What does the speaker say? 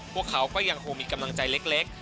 พวกเขาก็ยังคงมีกำลังใจเล็ก